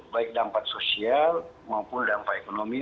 baik dampak sosial maupun dampak ekonomi